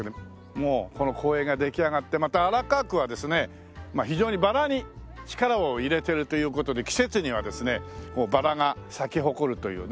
もうこの公園が出来上がってまた荒川区はですねまあ非常にバラに力を入れてるという事で季節にはですねバラが咲き誇るというね。